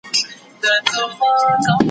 زه به د لغتونو تمرين کړی وي..